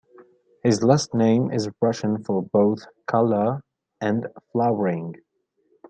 His last name is Russian for both "colour" and "flowering.